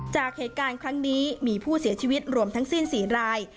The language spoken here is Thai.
จากเหตุการณ์ครั้งนี้มีผู้เสียชีวิตรวมทั้งสิ้น๔ราย